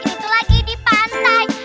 itu lagi di pantai jadi harus santai